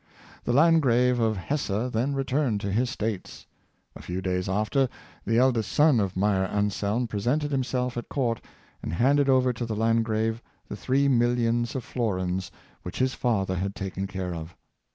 The Land grave of Hesse then returned to his states. A few days after, the eldest son of Meyer Anselm presented himself at court and handed over to the Landgrave the three millions of florins which his father had taken care of.